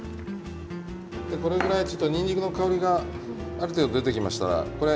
これくらい、ちょっとにんにくの香りがある程度出てきましたらこれ、